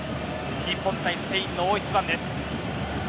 日本対スペインの大一番です。